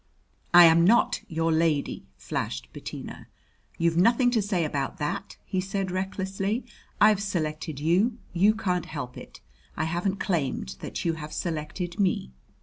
"I am not your lady," flashed Bettina. "You've nothing to say about that," he said recklessly. "I've selected you; you can't help it. I haven't claimed that you have selected me."